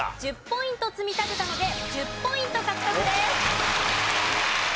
１０ポイント積み立てたので１０ポイント獲得です。